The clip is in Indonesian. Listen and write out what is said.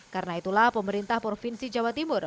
karena itulah pemerintah provinsi jawa timur